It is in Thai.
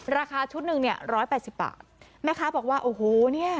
ราคาชุดหนึ่งเนี่ยร้อยแปดสิบบาทแม่ค้าบอกว่าโอ้โหเนี่ย